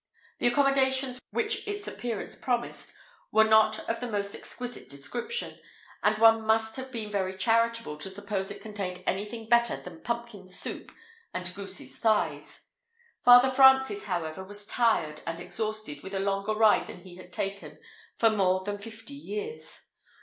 The accommodations which its appearance promised, were not of the most exquisite description, and one must have been very charitable to suppose it contained anything better than pumpkin soup and goose's thighs. Father Francis, however, was tired and exhausted with a longer ride than he had taken for more than fifty years.